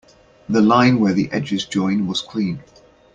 The line where the edges join was clean.